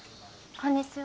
こんにちは！